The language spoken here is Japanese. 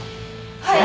はい。